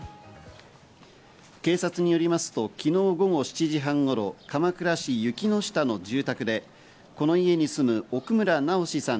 警察によりますと、昨日７時半頃、鎌倉市雪ノ下の住宅でこの家に住む奥村直司さん